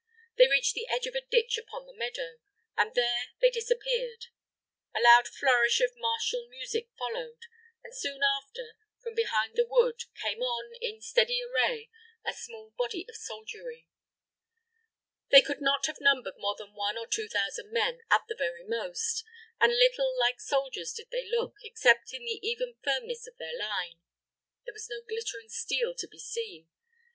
They reached the edge of a ditch upon the meadow, and there they disappeared. A loud flourish of martial music followed, and soon after, from behind the wood, came on, in steady array, a small body of soldiery. They could not have numbered more than one or two thousand men at the very most, and little like soldiers did they look, except in the even firmness of their line. There was no glittering steel to be seen.